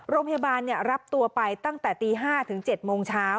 โรงพยาบาลรับตัวไปตั้งแต่ตี๕ถึง๗โมงเช้า